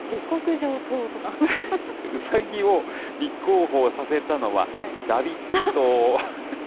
うさぎを立候補させたのはラビッ党。